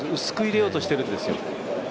薄く入れようとしてるんですよ。